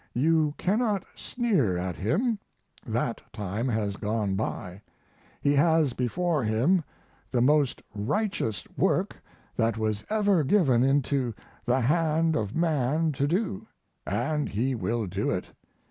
You cannot sneer at him that time has gone by. He has before him the most righteous work that was ever given into the hand of man to do; and he will do it.